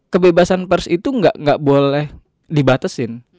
kebebasan pers itu gak boleh dibatesin